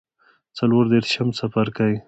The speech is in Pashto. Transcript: څلور دیرشم څپرکی